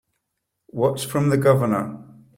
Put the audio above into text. What's from the Governor?